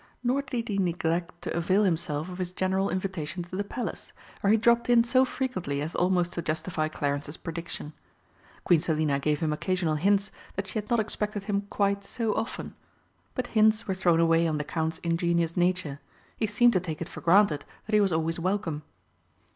Nor did he neglect to avail himself of his general invitation to the Palace, where he dropped in so frequently as almost to justify Clarence's prediction. Queen Selina gave him occasional hints that she had not expected him quite so often, but hints were thrown away on the Count's ingenuous nature he seemed to take it for granted that he was always welcome.